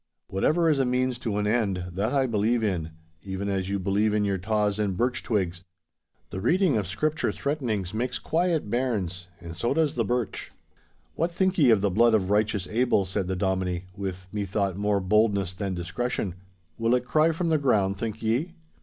'Whatever is a means to an end, that I believe in—even as you believe in your taws and birch twigs. The reading of Scripture threatenings makes quiet bairns, and so does the birch.' 'What think ye of the blood of righteous Abel?' said the Dominie—with, methought, more boldness than discretion. 'Will it cry from the ground, think ye?